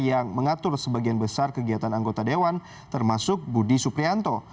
yang mengatur sebagian besar kegiatan anggota dewan termasuk budi suprianto